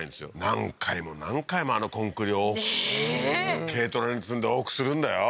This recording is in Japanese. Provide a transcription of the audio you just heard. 何回も何回もあのコンクリをねえ軽トラに積んで往復するんだよ